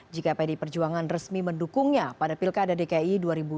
jika pdi perjuangan resmi mendukungnya pada pilkada dki dua ribu delapan belas